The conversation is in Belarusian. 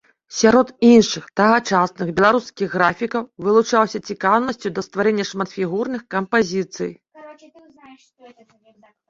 Сярод іншых тагачасных беларускіх графікаў вылучаўся цікаўнасцю да стварэння шматфігурных кампазіцый.